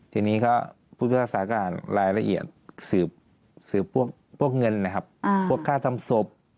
ทีนี้ก็ผู้พิพากษาการรายละเอียดสืบพวกเงินนะครับพวกค่าทำศพ